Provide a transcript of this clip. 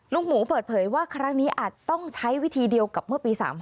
หมูเปิดเผยว่าครั้งนี้อาจต้องใช้วิธีเดียวกับเมื่อปี๓๕